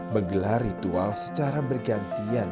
menggelar ritual secara bergantian